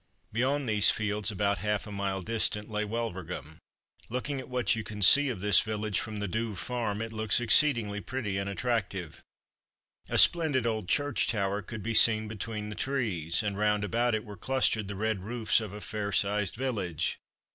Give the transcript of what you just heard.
Beyond these fields, about half a mile distant, lay Wulverghem. Looking at what you can see of this village from the Douve farm, it looks exceedingly pretty and attractive. A splendid old church tower could be seen between the trees, and round about it were clustered the red roofs of a fair sized village.